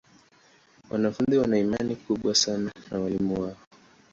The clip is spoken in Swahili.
Wanafunzi wana imani kubwa sana na walimu wao.